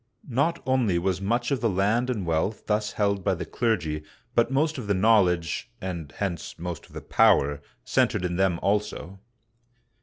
Not only was much of the land and wealth thus held by the clergy, but most of the knowledge — and hence most of the power — centered in them also.